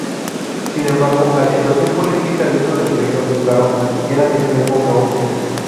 Sin embargo, la situación política dentro del reino húngaro era en extremo caótica.